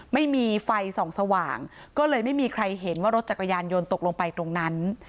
ไม่มีไฟส่องสว่างก็เลยไม่มีใครเห็นว่ารถจักรยานยนต์ตกลงไปตรงนั้น